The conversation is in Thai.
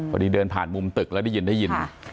พอดีเดินผ่านมุมตึกแล้วได้ยิน